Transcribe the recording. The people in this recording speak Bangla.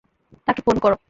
তাকে ফোন করো।